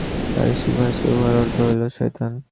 পারসীক ভাষায় উহার অর্থ হইল শয়তান।